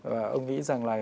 và ông nghĩ rằng là